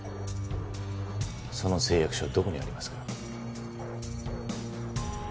その誓約書はどこにありますか？